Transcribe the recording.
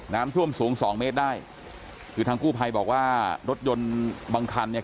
น้ำท่วมสูงสองเมตรได้คือทางกู้ภัยบอกว่ารถยนต์บางคันเนี่ย